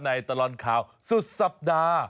ตลอดข่าวสุดสัปดาห์